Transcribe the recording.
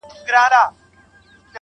نور خپلي ويني ته شعرونه ليكو.